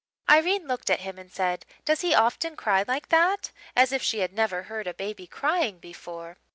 "Irene looked at him and said, 'Does he often cry like that?' as if she had never heard a baby crying before.